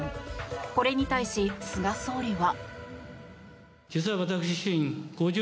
これに対し、菅総理は。